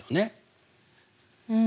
うん。